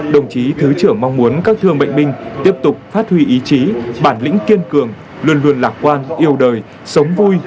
đồng chí thứ trưởng mong muốn các thương bệnh binh tiếp tục phát huy ý chí bản lĩnh kiên cường luôn luôn lạc quan yêu đời sống vui